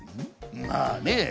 まあね。